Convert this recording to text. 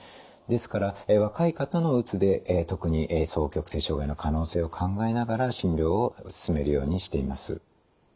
ですから若い方のうつで特に双極性障害の可能性を考えながら診療を進めるようにしています。